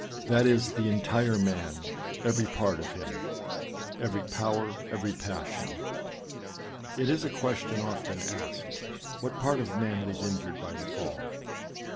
That is, the entire man, every part of him — every power, every passion. It is a question often asked, " What part of man was injured by the fall?"